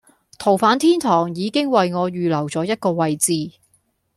逃犯天堂已經為我預留咗一個位置